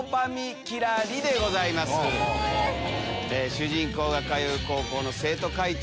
主人公が通う高校の生徒会長。